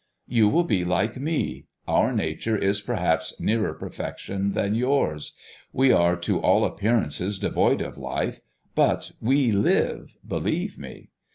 "You will be like me. Our nature is perhaps nearer perfection than yours. We are to all appearances devoid of life, but we live, believe me.